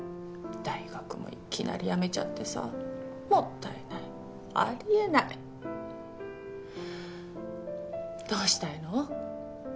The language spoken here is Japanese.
大学もいきなり辞めちゃってさもったいないありえないどうしたいの？